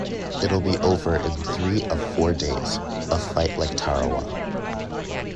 It'll be over in three of four days – a fight like Tarawa.